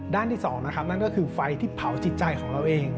ที่๒นะครับนั่นก็คือไฟที่เผาจิตใจของเราเอง